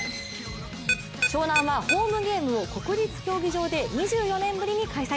湘南はホームゲームを国立競技場で２４年ぶりに開催。